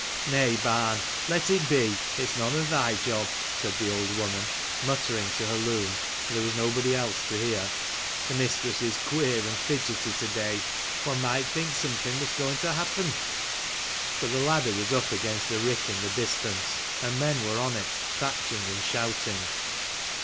" Nay barn, let it be: its none of thy job," said the old woman ; muttering to her loom, for there was nobody else to hear. " The mistress is queer and fidgetty to day. One might think somewhat was going to happen." But the ladder was up against a rick in the distance, and men were on it, thatching and shouting.